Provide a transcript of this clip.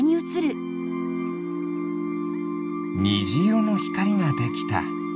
にじいろのひかりができた。